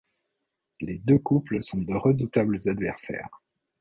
Les deux couples sont de redoutables adversaires.